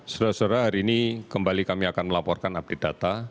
saudara saudara hari ini kembali kami akan melaporkan update data